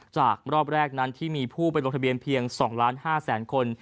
จากรอบแรกนั้นที่มีผู้ไปลงทะเบียนเพียง๒๕๐๐๐คน